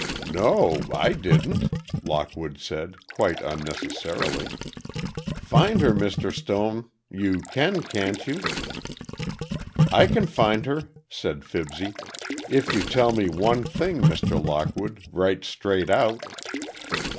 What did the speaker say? "No, I didn't!" Lockwood said, quite unnecessarily. "Find her, Mr. Stone—you can, can't you?" "I can find her," said Fibsy, "if you'll tell me one thing, Mr. Lockwood, right straight out."